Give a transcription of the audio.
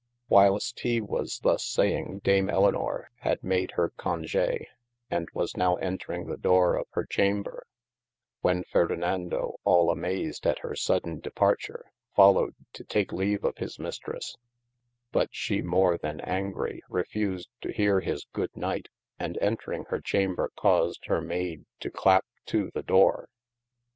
Whilest hee was thus saying dame Elynor had made hir Congey, and was now entring the doore of hir chamber when Ferdinando al amazed at hir sodeyne departure followed to take leave of his Mistresse : but she more then angrie, refused to heare his good night, and entring hir chamber caused hir mayde to clappe to the doore.